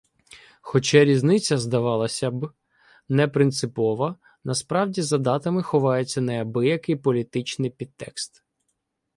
Хоча різниця, здавалася б, непринципова, насправді за датами ховається неабиякий політичний підтекст.